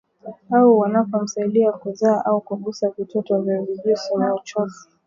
au wanapomsaidia kuzaa au kugusa vitoto au vijusi na uchafu wa vijusi hivyo